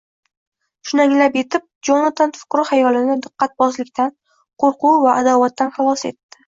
Shuni anglab yetib, Jonatan fikru xayolini diqqatbozlikdan, qo‘rquv va adovatdan xalos etdi